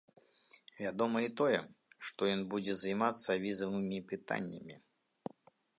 Вядома і тое, што ён будзе займацца візавымі пытаннямі.